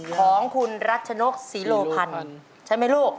ของคุณรัชนกศรีโลพันธ์ใช่ไหมลูก